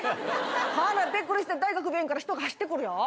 ほなびっくりして大学病院から人が走ってくるよ。